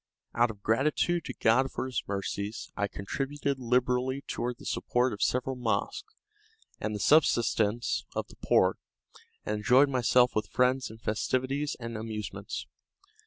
Out of gratitude to God for His mercies, I contributed liberally toward the support of several mosques and the subsistence of the poor, and enjoyed myself with friends in festivities and amusements.